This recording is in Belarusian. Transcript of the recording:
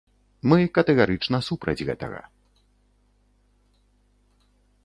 Мы катэгарычна супраць гэтага.